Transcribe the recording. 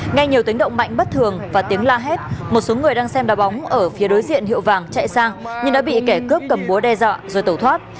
nghe nhiều tiếng động mạnh bất thường và tiếng la hét một số người đang xem đà bóng ở phía đối diện hiệu vàng chạy sang nhưng đã bị kẻ cướp cầm búa đe dọa rồi tẩu thoát